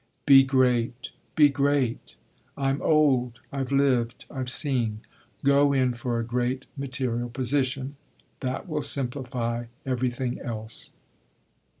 "Be great be great. I'm old, I've lived, I've seen. Go in for a great material position. That will simplify everything else."